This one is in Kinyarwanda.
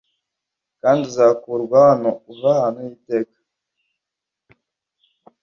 kandi uzakurwa hano uva ahantu h'iteka